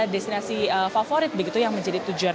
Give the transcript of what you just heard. destinasi favorit begitu yang menjadi tujuan